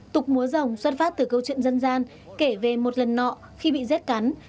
tục múa dòng xuất phát từ câu chuyện dân gian kể về một lần nọ khi bị rét cắn